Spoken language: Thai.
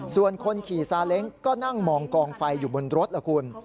ส่วนคนขี่ซาเล้งก็นั่งมองกองไฟอยู่บนรถล่ะคุณ